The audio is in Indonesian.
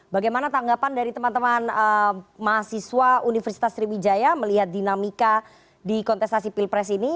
bagaimana tanggapan dari teman teman mahasiswa universitas sriwijaya melihat dinamika di kontestasi pilpres ini